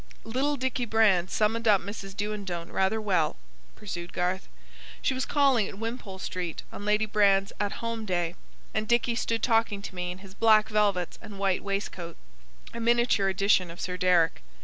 "Little Dicky Brand summed up Mrs. Do and don't rather well," pursued Garth. "She was calling at Wimpole Street, on Lady Brand's 'at home' day. And Dicky stood talking to me, in his black velvets and white waistcoat, a miniature edition of Sir Deryck.